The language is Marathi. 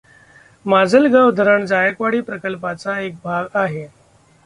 माजलगाव धरण जायकवाडी प्रकल्पाचा एक भाग आहे.